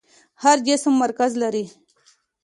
هر جسم مرکز لري.